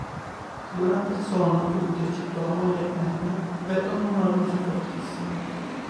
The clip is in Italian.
Durante il sonno, tutti eccetto la moglie Anne, vedono una luce fortissima.